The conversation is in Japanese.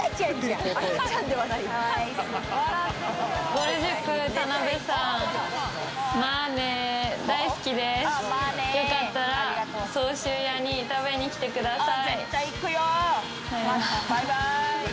ぼる塾・田辺さん、「まぁね」大好きです。よかったら、相州屋に食べに来てください。